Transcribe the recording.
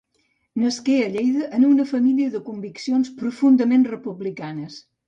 Nasqué a Lleida en una família de conviccions profundament republicanes.